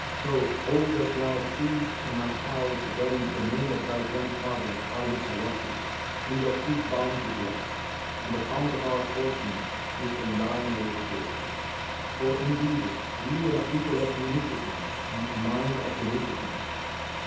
So all that thou seest in my house, bearing the name of thy grandfather Al Mutawakkil, is of his bounty to us, and the fount of our fortune is from thy noble sources;[FN#374] for indeed ye are people of munificence and a mine of beneficence."